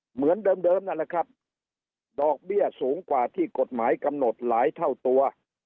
เหมือนเดิมนั่นแหละครับดอกเบี้ยสูงกว่าที่กฎหมายกำหนดหลายเท่าตัว